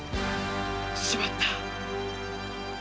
しまった！